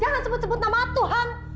jangan sebut sebut nama tuhan